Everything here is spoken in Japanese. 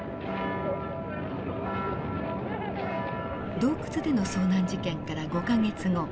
洞窟での遭難事件から５か月後。